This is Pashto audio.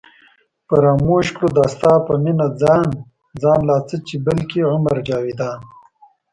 فراموش کړو دا ستا په مینه ځان ځان لا څه چې بلکې عمر جاوېدان